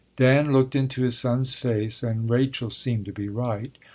Dan looked into his son's face, and Rachel seemed to be right.